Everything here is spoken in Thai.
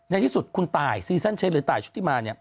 ในที่สุดคุณตายซีซั่นเชนหรือตายชุดที่มา